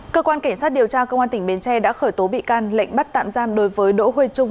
cơ quan cảnh sát điều tra công an tỉnh bến tre đã khởi tố bị can lệnh bắt tạm giam đối với đỗ huy trung